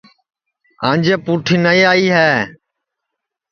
انجے پُٹھی نائی آئی ہے